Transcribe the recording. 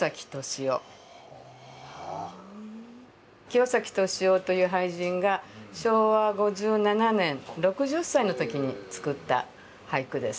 清崎敏郎という俳人が昭和５７年６０歳の時に作った俳句です。